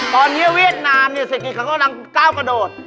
ตอนนี้เวียดนามเสร็จชี้เขากำลังก้าวกระโดด